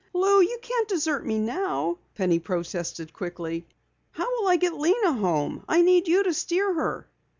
"Lou, you can't desert me now," Penny protested quickly. "How will I get Lena home? I need you to steer her."